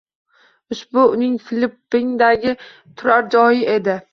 Ushbu uning Filippindagi turar joyi edi.